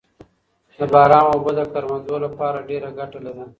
د باران اوبه د کروندو لپاره ډېره ګټه لري